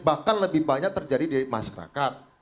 bahkan lebih banyak terjadi di masyarakat